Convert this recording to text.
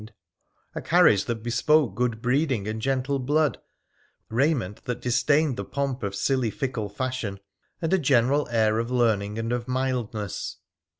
A u 2go WONDERFUL ADVENTURES OF carriage that bespoke good breeding and gentle blood; raiment that disdained the pomp of silly, fickle fashion, and a general air of lestrning and of mildness.'